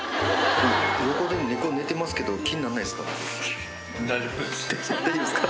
横で猫寝てますけど、気にならないんですか？